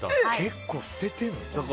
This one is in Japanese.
結構捨ててるんだ。